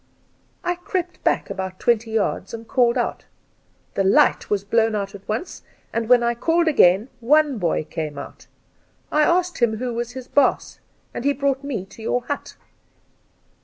I crept back about twenty yards and called out. The light was blown out at once, and when I called again one boy came out. I asked him who was his baas, and he brought me to your hut.'